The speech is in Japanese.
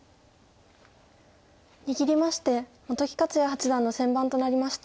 握りまして本木克弥八段の先番となりました。